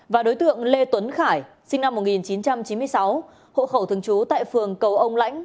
và đối tượng lê tuấn khải sinh năm một nghìn chín trăm chín mươi sáu hộ khẩu thường trú tại phường cầu ông lãnh